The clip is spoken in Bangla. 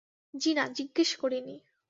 জ্বি-না, জিজ্ঞেস করি নি।